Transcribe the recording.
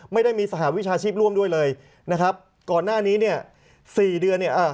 ไม่ได้มีสหวิชาชีพร่วมด้วยเลยนะครับก่อนหน้านี้เนี่ยสี่เดือนเนี่ย